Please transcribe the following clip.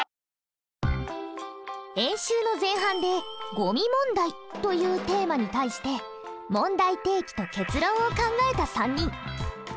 演習の前半で「ゴミ問題」というテーマに対して「問題提起」と「結論」を考えた３人。